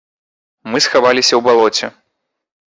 Мы схаваліся ў балоце.